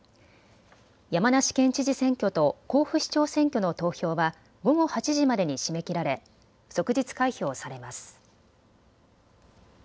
山梨県知事選挙と甲府市長選挙の投票は午後８時までに締め切られ即日開票されます。